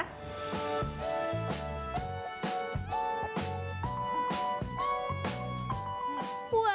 sampal kecombrang dan tempe menduan